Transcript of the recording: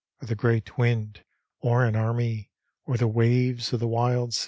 Or the great wind, or an army. Or the waves of the wild sea?